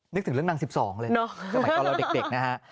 นึกถึงเรื่องนาง๑๒เลยเนอะสมัยตอนเราเด็กนะฮะ